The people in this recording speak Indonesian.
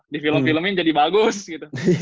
di film filmnya jadi bagus gitu